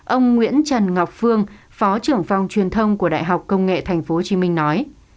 ông nguyễn trần ngọc phương phó trưởng phòng truyền thông của đại học công nghệ tp hcm nói